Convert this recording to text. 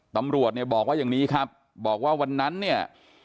ตำรวจเนี่ยบอกว่าอย่างนี้ครับบอกว่าวันนั้นเนี่ย